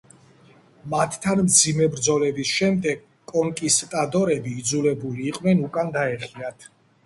მათთან მძიმე ბრძოლების შემდეგ კონკისტადორები იძულებული იყვნენ უკან დაეხიათ.